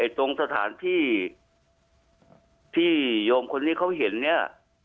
ตรงสถานที่ที่โยมคนนี้เขาเห็นเนี่ย